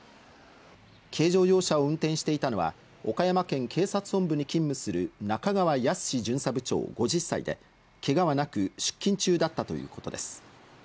軽乗用車を運転していたのは岡山県警察本部に勤務する中川靖司巡査部長、５０歳でけがはなく、出勤中だったということです。